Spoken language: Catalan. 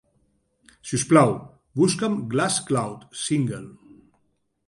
Si us plau, busca'm Glass Cloud - Single.